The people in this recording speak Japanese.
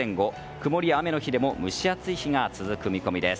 曇りや雨の日でも蒸し暑い日が続く見込みです。